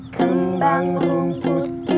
kembang rumput di